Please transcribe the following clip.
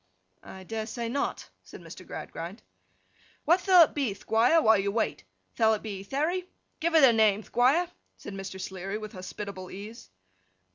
'I dare say not,' said Mr. Gradgrind. 'What thall it be, Thquire, while you wait? Thall it be Therry? Give it a name, Thquire!' said Mr. Sleary, with hospitable ease.